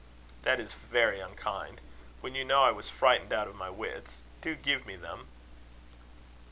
"That is very unkind; when you know I was frightened out of my wits. Do give me them."